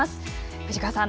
藤川さん